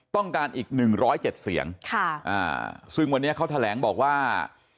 ต้องการอีก๑๐๗เสียงซึ่งวันนี้เขาแถลงบอกว่า